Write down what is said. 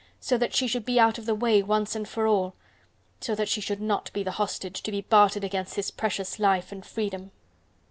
so that she should be out of the way once and for all... so that she should NOT be the hostage to be bartered against his precious life and freedom.